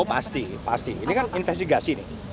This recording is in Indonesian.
oh pasti pasti ini kan investigasi nih